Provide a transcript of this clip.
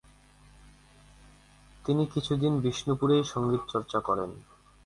তিনি কিছুদিন বিষ্ণুপুরেই সঙ্গীতচর্চা করেন।